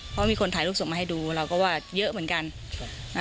เพราะมีคนถ่ายรูปส่งมาให้ดูเราก็ว่าเยอะเหมือนกัน